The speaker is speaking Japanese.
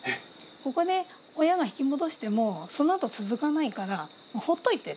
ここで親が引き戻しても、そのあと続かないから、ほっといて。